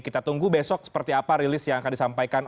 kita tunggu besok seperti apa rilis yang akan disampaikan